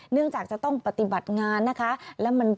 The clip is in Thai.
จากจะต้องปฏิบัติงานนะคะ